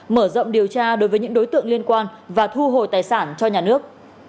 mở rộng điều tra đối với những đối tượng liên quan và thu hồi tài sản cho nhà nước